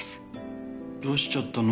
どうしちゃったの？